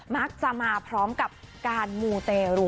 มักจะมาพร้อมกับการมูเตรู